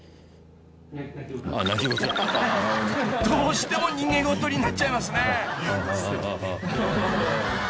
［どうしても「逃げ事」になっちゃいますね］